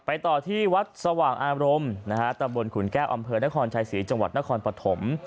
ต่อที่วัดสว่างอารมณ์ตำบลขุนแก้วอำเภอนครชายศรีจังหวัดนครปฐม